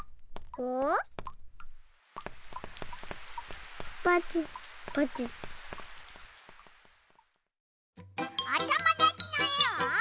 おともだちのえを。